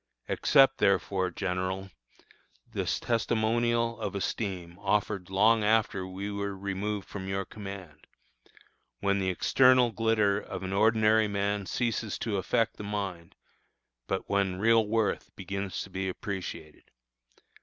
Accept, therefore, General, this testimonial of esteem offered long after we were removed from your command, when the external glitter of an ordinary man ceases to affect the mind, but when real worth begins to be appreciated.